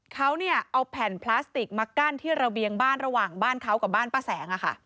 เขาเอาแผ่นพลาสติกมากั้นที่ระเบียงบ้านระหว่างบ้านเขากับบ้านป้าแสง